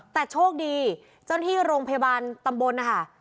แต่โชคดีจนที่โรงพยาบาลตำบล